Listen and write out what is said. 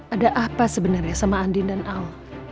ada apa sebenarnya sama andin dan al